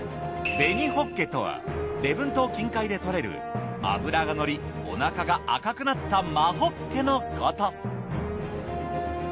紅ホッケとは礼文島近海で獲れる脂が乗りお腹が赤くなった真ホッケのこと。